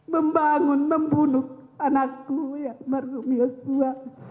membangun membunuh anakku ya almarhum yosua